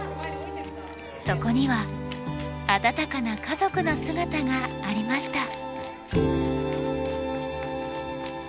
そこには温かな家族の姿がありました。